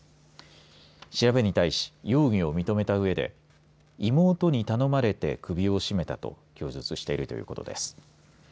調べに対し容疑を認めたうえで妹に頼まれて首を絞めたと供述しているということです。